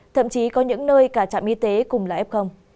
thậm chí có những nơi cả trạm y tế cùng lại ép không